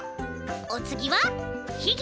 おつぎはひぎ